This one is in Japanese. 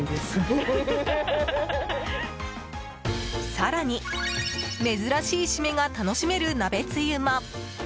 更に、珍しいシメが楽しめる鍋つゆも。